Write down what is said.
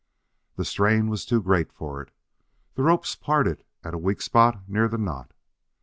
The strain was too great for it. The ropes parted at a weak spot near the knot.